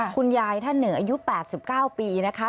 คุณยายท่านเหนืออายุ๘๙ปีนะคะ